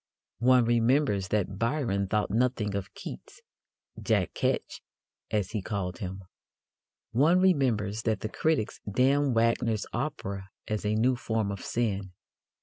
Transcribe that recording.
One remembers that Byron thought nothing of Keats "Jack Ketch," as he called him. One remembers that the critics damned Wagner's operas as a new form of sin.